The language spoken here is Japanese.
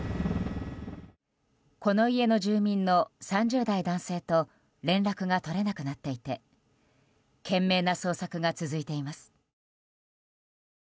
この家の住民の３０代男性と連絡が取れなくなっていて懸命な捜索が続いています。